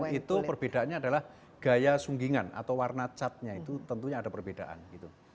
itu perbedaannya adalah gaya sunggingan atau warna catnya itu tentunya ada perbedaan gitu